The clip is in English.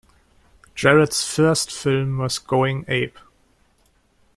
Jarret's first film was Going Ape!